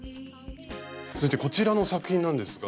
続いてこちらの作品なんですが。